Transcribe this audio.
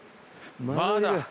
まだ。